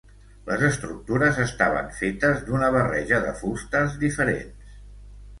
Les estructures estaven fetes d'una barreja de fustes diferents.